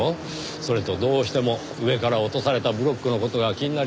それとどうしても上から落とされたブロックの事が気になりましてねぇ。